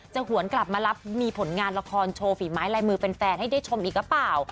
หวนกลับมารับมีผลงานละครโชว์ฝีไม้ลายมือเป็นแฟนให้ได้ชมอีกหรือเปล่า